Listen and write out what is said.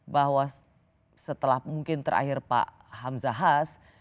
bahwa setelah mungkin terakhir pak hamzahas